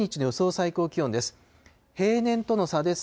最高気温です。